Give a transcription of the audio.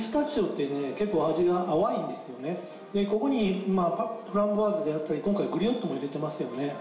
ここにフランボワーズであったり今回グリオットも入れてますよね？